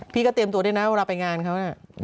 พี่ก็เตรียมตัวด้วยนะเวลาไปงานเขาน่ะ